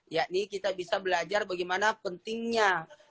yakni kita bisa belajar bagaimana pentingnya